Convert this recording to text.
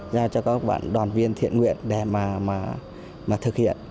giao cho các bạn đoàn viên thiện nguyện để mà thực hiện